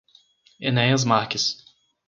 Enéas Marques